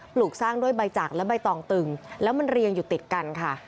ลูกสร้างด้วยใบจักรและใบตองตึงแล้วมันเรียงอยู่ติดกันค่ะ